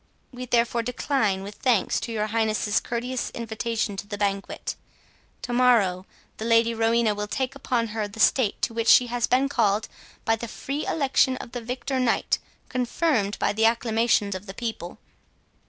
We therefore decline with thanks your Highness's courteous invitation to the banquet. To morrow, the Lady Rowena will take upon her the state to which she has been called by the free election of the victor Knight, confirmed by the acclamations of the people."